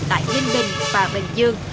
tại ninh bình và bình dương